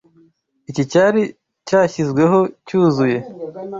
Iki cyayi cyashyizweho cyuzuye?